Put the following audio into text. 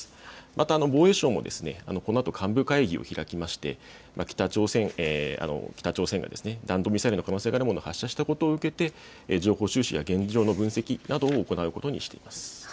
また防衛省もこのあと幹部会議を開きまして北朝鮮が弾道ミサイルの可能性があるものを発射したことを受けて情報収集や現場の分析などを行うことにしています。